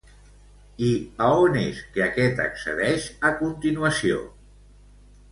I a on és que aquest accedeix a continuació?